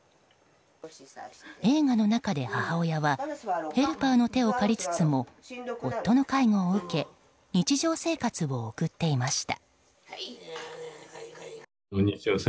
映画の中で母親はヘルパーの手を借りつつも夫の介護を受け日常生活を送っていました。